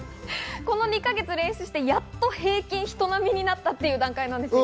２か月練習して、やっと平均、人並みになったという段階なんです。